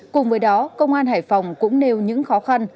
cùng với đó công an hải phòng cũng nêu những khó khăn